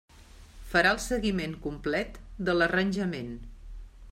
Farà el seguiment complet de l'arranjament.